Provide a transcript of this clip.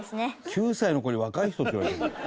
９歳の子に「若い人」って言われてるじゃん。